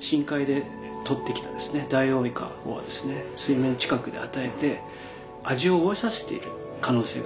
深海で捕ってきたダイオウイカを水面近くで与えて味を覚えさせている可能性があります。